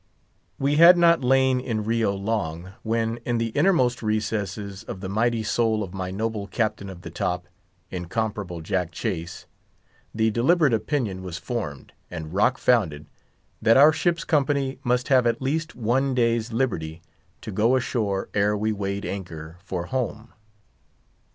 We had not lain in Rio long, when in the innermost recesses of the mighty soul of my noble Captain of the Top—incomparable Jack Chase—the deliberate opinion was formed, and rock founded, that our ship's company must have at least one day's "liberty" to go ashore ere we weighed anchor for home.